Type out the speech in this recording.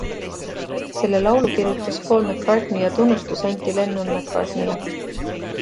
Selle laulu kirjutas Paul McCartney ja tunnustus anti Lennon-McCartneyle.